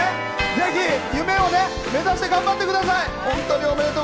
ぜひ夢を目指して頑張ってください。